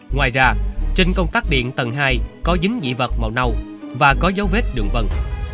ngoài ra trên công tác điện tầng hai có dính dị vật màu nâu và có dấu vết đường vân